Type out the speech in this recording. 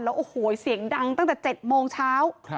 โอ้โหเสียงดังตั้งแต่๗โมงเช้า